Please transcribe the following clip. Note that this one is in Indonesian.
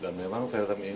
dan memang film ini